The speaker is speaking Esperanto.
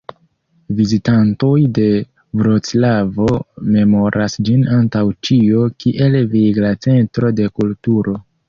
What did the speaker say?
Vizitantoj de Vroclavo memoras ĝin antaŭ ĉio kiel vigla centro de kulturo.